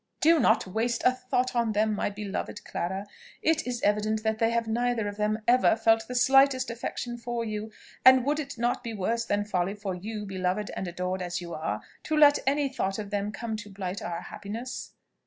"Do not waste a thought on them, my beloved Clara! It is evident that they have neither of them ever felt the slightest affection for you; and would it not be worse than folly for you, beloved and adored as you are, to let any thought of them come to blight our happiness?"